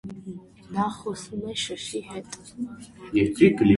Նա խոսում էր շշի հետ: